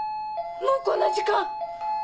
もうこんな時間！